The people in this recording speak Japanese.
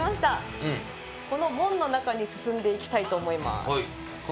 この門の中に進んでいきたいと思います